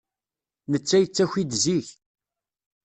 Netta yettaki-d zik.